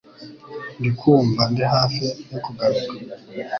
ndikunva ndi hafi yo kuguruka